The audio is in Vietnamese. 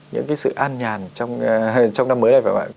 những cái sự an nhàn trong năm mới này phải ạ